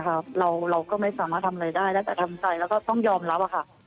เราก็ไม่สามารถทำอะไรได้ได้แต่ทำใจแล้วก็ต้องยอมรับค่ะ